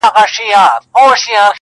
بېشکه مرګه چي زورور یې!!